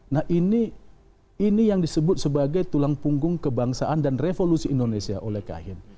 nah ini yang disebut sebagai tulang punggung kebangsaan dan revolusi indonesia oleh kahin